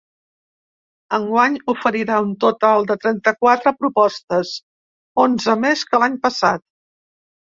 Enguany oferirà un total de trenta-quatre propostes, onze més que l’any passat.